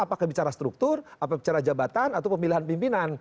apakah bicara struktur apakah bicara jabatan atau pemilihan pimpinan